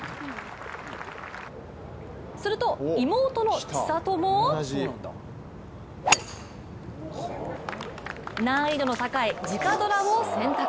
すると、妹の千怜も難易度の高い直ドラを選択。